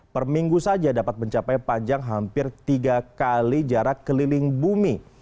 per minggu saja dapat mencapai panjang hampir tiga kali jarak keliling bumi